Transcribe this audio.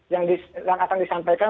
yang akan disampaikan